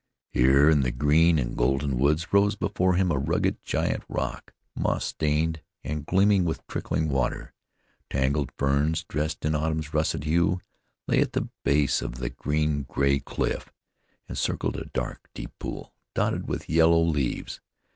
Here in the green and golden woods rose before him a rugged, giant rock, moss stained, and gleaming with trickling water. Tangled ferns dressed in autumn's russet hue lay at the base of the green gray cliff, and circled a dark, deep pool dotted with yellow leaves.